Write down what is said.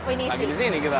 karena lagi di sini kita